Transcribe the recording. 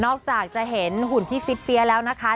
จากจะเห็นหุ่นที่ฟิตเปี๊ยะแล้วนะคะ